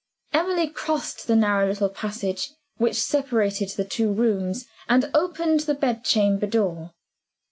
Emily crossed the narrow little passage which separated the two rooms, and opened the bed chamber door.